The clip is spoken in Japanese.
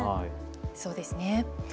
そうですね。